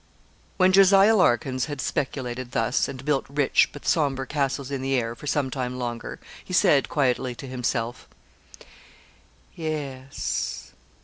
When Jos. Larkins had speculated thus, and built rich, but sombre, castles in the air, for some time longer, he said quietly to himself 'Yes.'